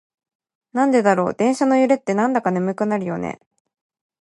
なんでだろう、電車の揺れってなんだか眠くなるよね。